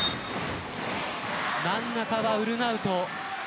真ん中はウルナウト。